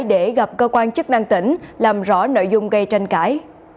để gặp cơ quan chức năng tỉnh làm rõ nội dung gây tranh cãi